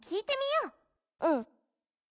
うん。